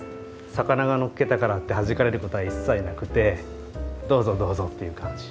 魚がのっけたからってはじかれることは一切なくてどうぞどうぞという感じ。